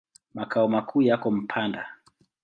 Makao makuu yako Mpanda.